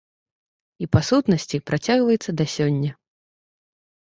І, па сутнасці, працягваецца да сёння.